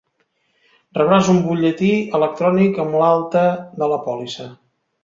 Rebràs un butlletí electrònic amb l'alta de la pòlissa.